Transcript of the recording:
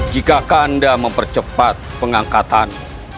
jika kanda mempercepat pengangkatan